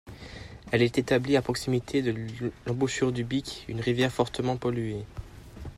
Elle est établie à proximité de l'embouchure du Bîc, une rivière fortement polluée.